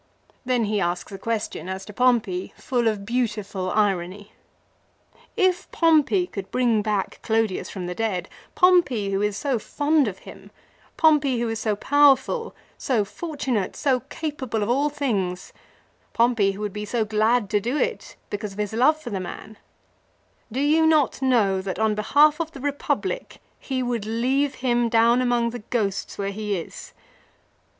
Then he asks a question as to Pompey full of beautiful irony. If Pompey could bring back Clodius from the dead, Pompey who is so fond of him, Pompey who is so powerful, so fortunate, so capable of all things, Pompey 1 Ca. xx. and xxi. MILO. 83 who would be so glad to do it because of his love for the man, do you not know that on behalf of the Republic he would leave him down among the ghosts where he is